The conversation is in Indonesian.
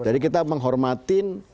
jadi kita menghormatin